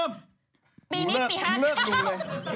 ปีนี้ปี๕๙เลยมองเลิกดูเลย